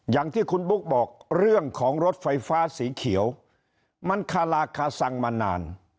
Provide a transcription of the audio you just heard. อย่างที่คุณบุ๊กบอกเรื่องของรถไฟฟ้าสีเขียวมันคาราคาซังมานาน